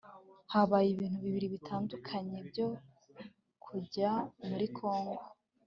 Habaye ibintu bibiri bitandukanye byo kujya muri Kongo